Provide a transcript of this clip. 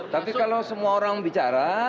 tapi kalau semua orang bicara